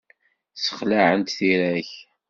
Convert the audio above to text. Ssexlaɛent tira-k.